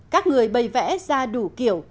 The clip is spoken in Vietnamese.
các người bày vẽ ra đủ kiểu